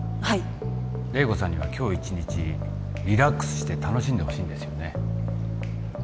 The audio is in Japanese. はい麗子さんには今日一日リラックスして楽しんでほしいんですよね